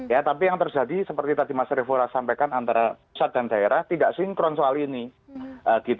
ya tapi yang terjadi seperti tadi mas revo sampaikan antara pusat dan daerah tidak sinkron soal ini